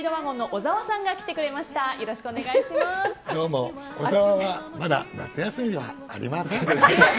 小沢はまだ夏休みではありません。